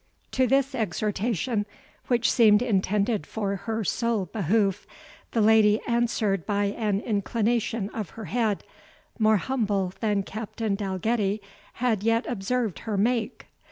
To this exhortation, which seemed intended for her sole behoof, the lady answered by an inclination of her head, more humble than Captain Dalgetty had yet observed her make.